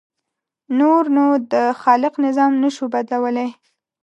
نور نو د خالق نظام نه شو بدلولی.